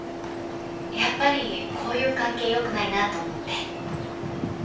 やっぱりこういう関係よくないなと思って。